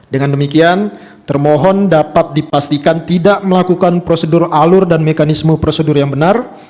dengan demikian termohon dapat dipastikan tidak melakukan prosedur alur dan mekanisme prosedur yang benar